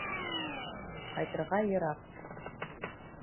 Ҡайтырға йыраҡ.